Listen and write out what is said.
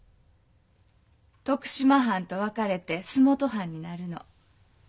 徳島藩と分かれて洲本藩になるの。